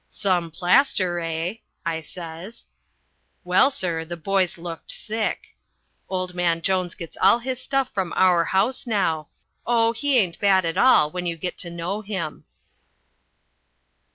"Some plaster, eh?" I says. Well, sir, the boys looked sick. Old man Jones gets all his stuff from our house now. Oh, he ain't bad at all when you get to know him.